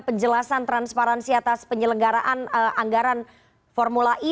penjelasan transparansi atas penyelenggaraan anggaran formula e